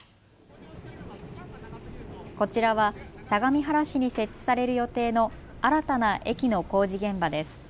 こちらは相模原市に設置される予定の新たな駅の工事現場です。